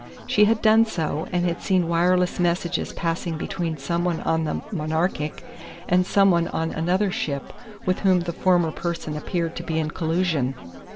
She had done so, and had seen wireless messages passing between someone on the Monarchic and someone on another ship, with whom the former person appeared to be in collusion.